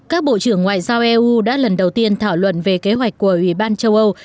các bộ trưởng ngoại giao eu đã lần đầu tiên thảo luận về kế hoạch của ủy ban châu âu